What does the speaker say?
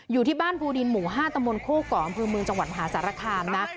อยู่ที่บ้านภูดินหมู่๕ตมโค้กกอัมพื้นเมืองจังหวันภาษาธรรคามนะ